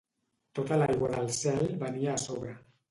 Tota l'aigua del cel venia a sobre.